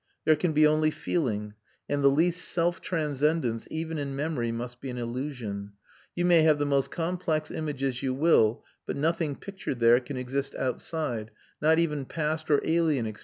There can be only feeling; and the least self transcendence, even in memory, must be an illusion. You may have the most complex images you will; but nothing pictured there can exist outside, not even past or alien experience, if you picture it.